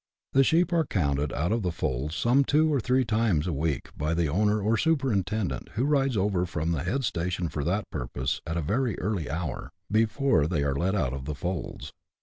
The sheep are counted out of the folds some two or three times a week by the owner or superintendent, who rides over from the head station for that purpose at a very early hour, CHAP, v.] APPEARANCE OF A SHEEP STATION. 45 before they are let out of the folds.